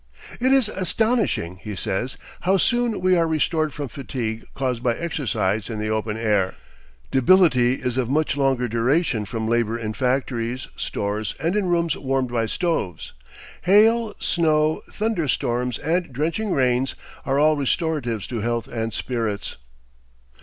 "It is astonishing," he says, "how soon we are restored from fatigue caused by exercise in the open air. Debility is of much longer duration from labor in factories, stores, and in rooms warmed by stoves. Hail, snow, thunder storms, and drenching rains are all restoratives to health and spirits."